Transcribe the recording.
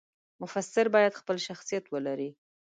مفسر باید خپل شخصیت ولري.